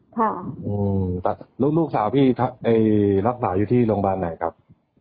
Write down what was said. อืมแต่แล้วลูกสาวพี่รักษาอยู่ที่โรงพยาบาลไหนครับ